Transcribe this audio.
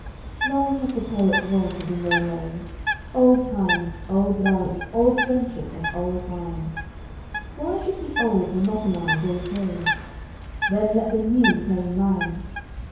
Long have the poets vaunted, in their lays, Old times, old loves, old friendship, and old wine. Why should the old monopolize all praise? Then let the new claim mine.